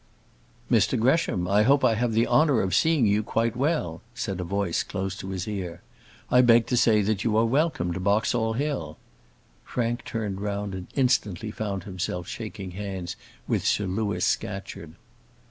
"Mr Gresham, I hope I have the honour of seeing you quite well," said a voice close to his ear. "I beg to say that you are welcome to Boxall Hill." Frank turned round and instantly found himself shaking hands with Sir Louis Scatcherd.